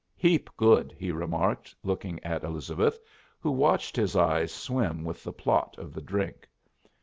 "Heap good," he remarked, looking at Elizabeth, who watched his eyes swim with the plot of the drink.